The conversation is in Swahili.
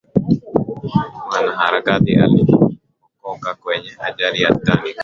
mwanaharakati aliokoka kwenye ajali ya titanic